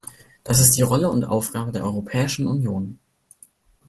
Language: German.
Das ist die Rolle und Aufgabe der Europäischen Union.